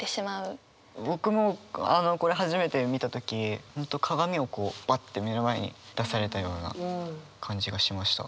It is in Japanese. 僕もこれ初めて見た時本当鏡をこうバッて目の前に出されたような感じがしました。